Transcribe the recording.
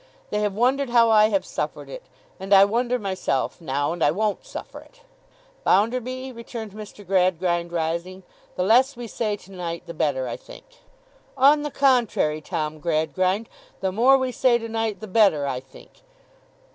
They have wondered how I have suffered it. And I wonder myself now, and I won't suffer it.' 'Bounderby,' returned Mr. Gradgrind, rising, 'the less we say to night the better, I think.' 'On the contrary, Tom Gradgrind, the more we say to night, the better, I think.